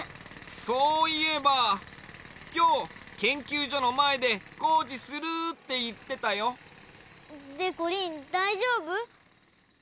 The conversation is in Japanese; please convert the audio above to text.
そういえばきょうけんきゅうじょのまえでこうじするっていってたよ。でこりんだいじょうぶ？